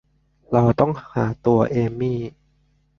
เราต้องหาตัวเอมี่